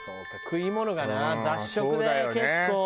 食い物がな雑食で結構。